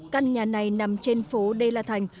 căn nhà này nằm trên phố đê la thành